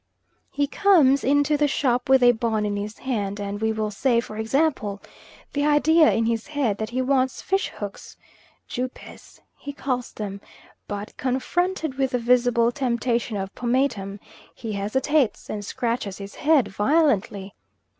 He comes into the shop with a bon in his hand, and we will say, for example, the idea in his head that he wants fish hooks "jupes," he calls them but, confronted with the visible temptation of pomatum, he hesitates, and scratches his head violently.